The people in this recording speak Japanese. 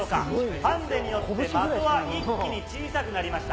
ハンデによって的は一気に小さくなりました。